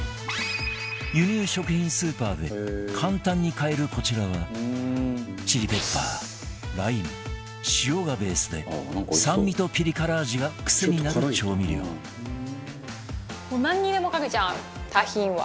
輸入食品スーパーで簡単に買えるこちらはチリペッパーライム塩がベースで酸味とピリ辛味がクセになる調味料タヒンは。